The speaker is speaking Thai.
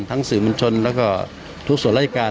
ทั้งสื่อมัญชนและก็ทุกส่วนรายการ